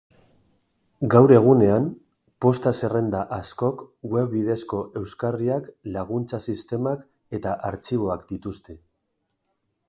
Gaur egunean, posta-zerrenda askok web bidezko euskarriak, laguntza-sistemak eta artxiboak dituzte.